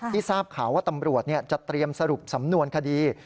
ทราบข่าวว่าตำรวจจะเตรียมสรุปสำนวนคดี